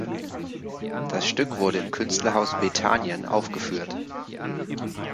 Das Stück wurde im Künstlerhaus Bethanien aufgeführt.